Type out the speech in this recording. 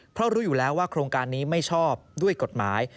เพราะรู้อยู่แล้วว่าโครงการนี้ไม่ชอบด้วยกฎหมาย